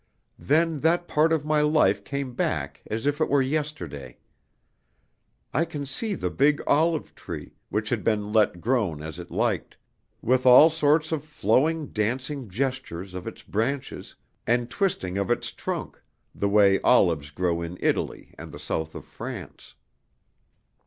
Then that part of my life came back as if it were yesterday. I can see the big olive tree, which had been let grow as it liked, with all sorts of flowing, dancing gestures of its branches and twisting of its trunk, the way olives grow in Italy and the south of France.